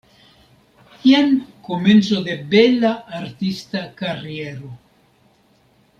Jen komenco de bela artista kariero.